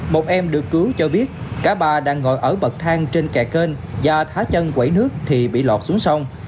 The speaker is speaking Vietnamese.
một em được cứu cho biết cả ba đang ngồi ở bậc thang trên kè kênh và thả chân quẩy nước thì bị lọt xuống sông